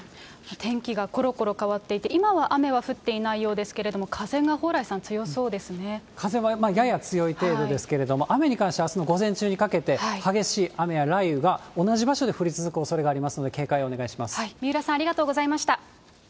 天気がころころ変わっていて、今は雨は降っていないようですけれども、風が、蓬莱さん、風はやや強い程度ですけれども、雨に関してはあすの午前中にかけて、激しい雨や雷雨が同じ場所で降り続くおそれがありますので、警戒三浦さん、ありがとうございました。